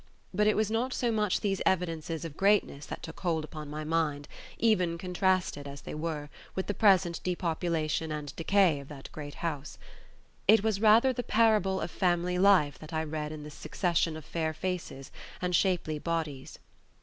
But it was not so much these evidences of greatness that took hold upon my mind, even contrasted, as they were, with the present depopulation and decay of that great house. It was rather the parable of family life that I read in this succession of fair faces and shapely bodies.